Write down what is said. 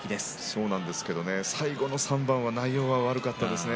そうなんですが最後の３番は内容が悪かったですね